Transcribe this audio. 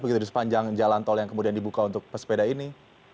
begitu di sepanjang jalan tol yang kemudian dibuka untuk pesepeda ini